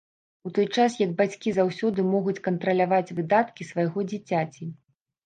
У той час як бацькі заўсёды могуць кантраляваць выдаткі свайго дзіцяці.